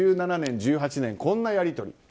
２０１７年、１８年こんなやり取り。